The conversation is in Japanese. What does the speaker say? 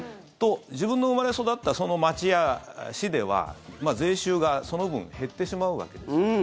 自分の生まれ育った街や市では税収がその分、減ってしまうわけです。